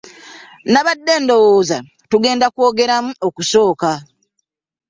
Nabadde ndowooza tugenda kwogeramu okusooka.